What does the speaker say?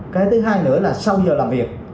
cái thứ hai nữa là sau giờ làm việc